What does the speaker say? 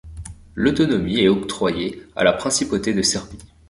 L’autonomie est octroyée à la principauté de Serbie.